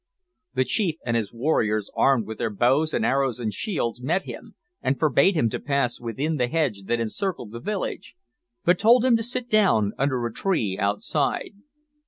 The chief and his warriors, armed with their bows and arrows and shields, met him, and forbade him to pass within the hedge that encircled the village, but told him to sit down under a tree outside.